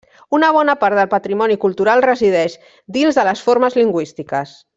Una bona part del patrimoni cultural resideix dins de les formes lingüístiques.